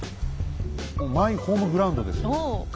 マイホームグラウンドですよ。